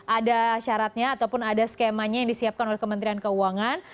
ada syaratnya ataupun ada skemanya yang disiapkan oleh kementerian keuangan